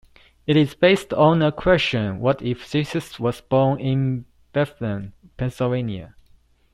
It is based on the question, "What if Jesus was born in Bethlehem, Pennsylvania?".